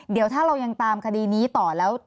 เดี๋ยวถ้าเรายังตามคดีนี้ต่อแล้ว